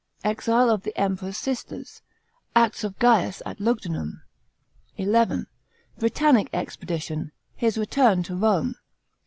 Exile of the Emperor's sisters. Acts of Gaius at Lugudunum. § 11. Britannic expedition. His return to Rome.